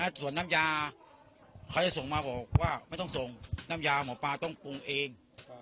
ส่วนน้ำยาเขาจะส่งมาบอกว่าไม่ต้องส่งน้ำยาหมอปลาต้องปรุงเอง